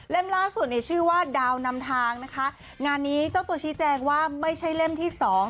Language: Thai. ล่าสุดเนี่ยชื่อว่าดาวนำทางนะคะงานนี้เจ้าตัวชี้แจงว่าไม่ใช่เล่มที่สอง